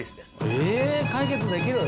解決できる？